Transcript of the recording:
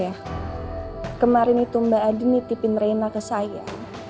ya kemarin itu mbak adi nitipin raina ke saya